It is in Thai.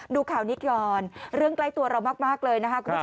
ดูข่าวนี้ก่อนเรื่องใกล้ตัวเรามากเลยนะคะคุณผู้ชม